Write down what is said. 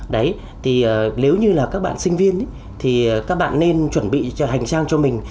đấy thì nếu như là các bạn sinh viên thì các bạn nên chuẩn bị cho hành trang cho mình